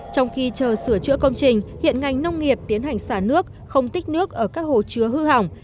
trong khi chờ sửa chữa công trình hiện ngành nông nghiệp tiến hành xả nước không tích nước ở các hồ chứa hư hỏng